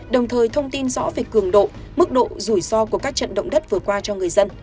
đồng thời thông tin rõ về cường độ mức độ rủi ro của các trận động đất vừa qua cho người dân